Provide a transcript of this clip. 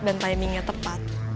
dan timingnya tepat